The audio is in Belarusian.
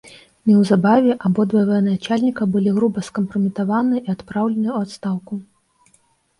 Неўзабаве абодва ваеначальніка былі груба скампраметаваныя і адпраўленыя ў адстаўку.